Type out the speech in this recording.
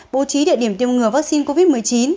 bố trí địa điểm tiêm ngừa vaccine covid một mươi chín